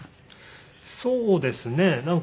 そうですね。